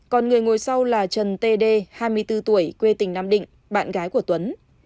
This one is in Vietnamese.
còn người ngồi sau là trần td hai mươi bốn tuổi quê tỉnh nam định bạn gái của tuấn